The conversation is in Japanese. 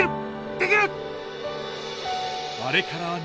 できる！